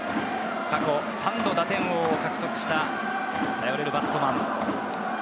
過去３度、打点王を獲得した頼れるバットマン。